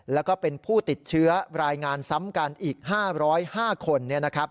แล้วก็เป็นผู้ติดเชื้อรายงานซ้ำกันอีก๕๐๕คน